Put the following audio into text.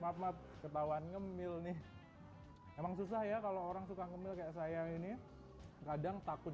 maaf maaf ketahuan ngemil nih emang susah ya kalau orang suka ngemil kayak saya ini kadang takut